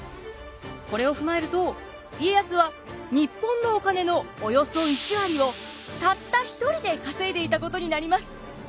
これを踏まえると家康は日本のお金のおよそ１割をたった１人で稼いでいたことになります。